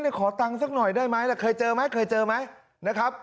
แต่ขอตังค์สิหน่อยได้ไหมแต่ค่อยเจอไหมนะครับ